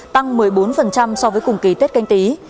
tăng một mươi bốn so với cùng kỳ tết canh tí